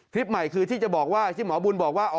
คลิปใหม่คือที่จะบอกว่าที่หมอบุญบอกว่า